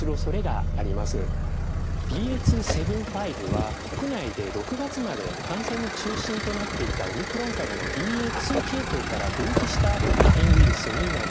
ＢＡ．２．７５は国内で６月まで感染の中心となっていたオミクロン株のＢＡ．２系統から分岐した変異ウイルスになります。